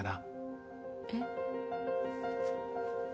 えっ？